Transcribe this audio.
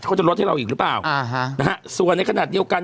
เขาจะลดให้เราอีกหรือเปล่าอ่าฮะนะฮะส่วนในขณะเดียวกัน